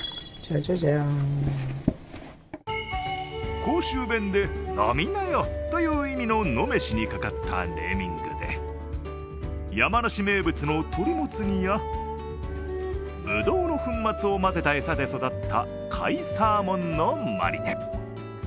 甲州弁で、飲みなよという意味の飲めしにかかったネーミングで山梨名物の鳥もつ煮やぶどうの粉末を混ぜた餌で育った甲斐サーモンのマリネ。